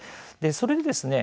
それでですね